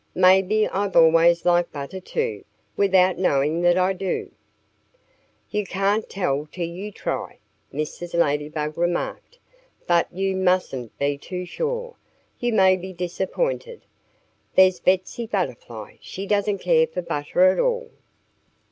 Maybe I've always liked butter, too, without knowing that I do." "You can't tell till you try," Mrs. Ladybug remarked. "But you mustn't be too sure. You may be disappointed. There's Betsy Butterfly! She doesn't care for butter at all."